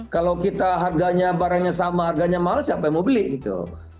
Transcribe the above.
kalau kita harganya barangnya sama harganya mahal siapa yang mau beli gitu